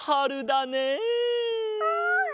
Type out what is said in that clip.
うん！